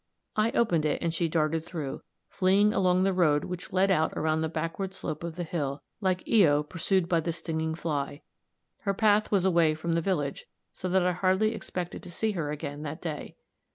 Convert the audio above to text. I opened it and she darted through, fleeing along the road which led out around the backward slope of the hill, like Io pursued by the stinging fly. Her path was away from the village, so that I hardly expected to see her again that day.